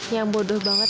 yang bodoh banget